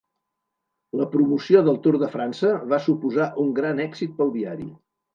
La promoció del Tour de França va suposar un gran èxit pel diari.